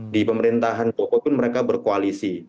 di pemerintahan jokowi pun mereka berkoalisi